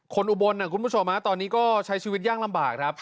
อุบลคุณผู้ชมตอนนี้ก็ใช้ชีวิตยากลำบากครับ